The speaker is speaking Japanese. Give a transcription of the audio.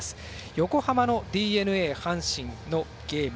横浜のＤｅＮＡ、阪神のゲーム。